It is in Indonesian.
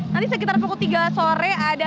nanti sekitar pukul tiga sore ada